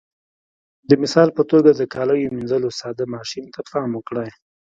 د مثال په توګه د کاليو منځلو ساده ماشین ته پام وکړئ.